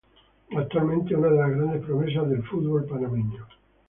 Actualmente una de las grandes promesas del fútbol Panameño.